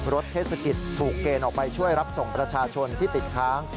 เทศกิจถูกเกณฑ์ออกไปช่วยรับส่งประชาชนที่ติดค้าง